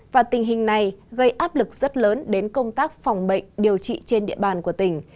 và tình hình này gây áp lực rất lớn đến công tác phòng bệnh điều trị trên địa bàn của tỉnh